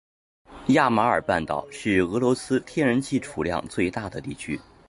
亚马尔半岛是俄罗斯天然气储量最大的地区。